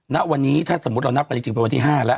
ณวันนี้ถ้าสมมุติเรานับการเอกจุบเอาคือวันที่๕แล้ว